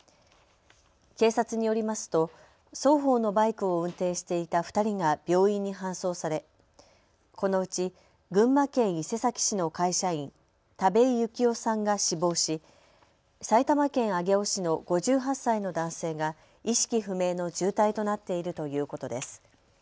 警察によりますと双方のバイクを運転していた２人が病院に搬送されこのうち群馬県伊勢崎市の会社員、田部井幸男さんが死亡し、埼玉県上尾市の５８歳の男性が意識不明の重体となっているということです。